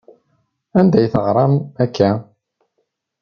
Anda ay teɣram aya?